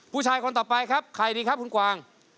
ผู้ชายคนต่อไปครับใครดีครับคุณกวาง